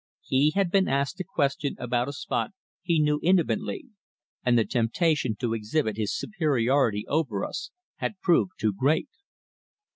He had been asked a question about a spot he knew intimately, and the temptation to exhibit his superiority over us had proved too great.